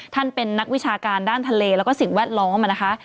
เป็นนักวิชาการด้านทะเลแล้วก็สิ่งแวดล้อมนะคะ